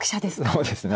そうですね